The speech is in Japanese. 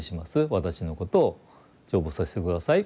私のことを成仏させて下さい。